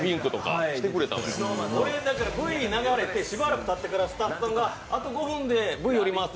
Ｖ流れてしばらくたってからスタッフさんがあと５分でＶおりますって。